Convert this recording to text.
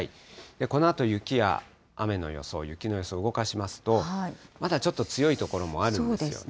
このあと雪や雨の予想、雪の予想、動かしますと、まだちょっと強い所もあるんですよね。